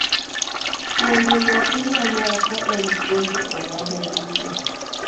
Puonjo nyathi ma nyako en puonjo oganda duto.